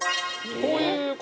こういう事。